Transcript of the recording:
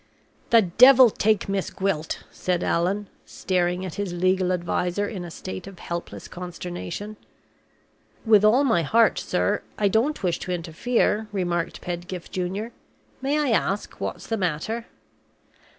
"The devil take Miss Gwilt!" said Allan, staring at his legal adviser in a state of helpless consternation. "With all my heart, sir I don't wish to interfere," remarked Pedgift Junior. "May I ask what's the matter?"